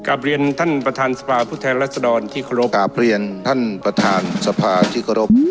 กลับเรียนท่านประธานสภาผู้แทนรัศดรที่ขอรกราบเรียนท่านประธานสภาที่เคารพ